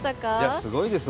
すごいですよ。